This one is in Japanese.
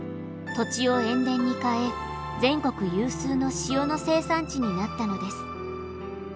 土地を塩田に変え全国有数の塩の生産地になったのです。